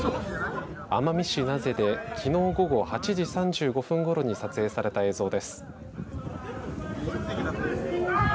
奄美市名瀬できのう午後８時３５分ごろに撮影された映像です。